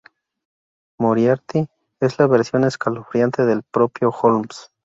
Moriarty es la versión escalofriante del propio Holmes.